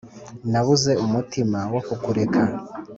Nabuze umutima wo kukureka